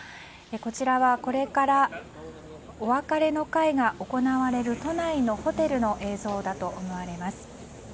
こちらは、これからお別れの会が行われる都内のホテルの映像だと思われます。